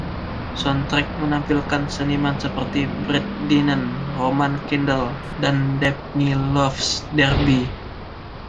Soundtrack menampilkan seniman seperti Brett Dennen, Roman Candle dan Daphne Loves Derby.